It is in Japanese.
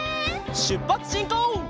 しゅっぱつしんこう！